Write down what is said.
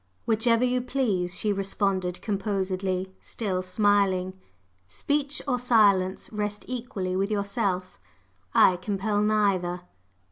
"Whichever you please," she responded composedly, still smiling. "Speech or silence rest equally with yourself. I compel neither."